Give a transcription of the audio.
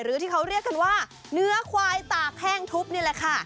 หรือที่เขาเรียกกันว่าเนื้อควายตากแห้งทุบนี่แหละค่ะ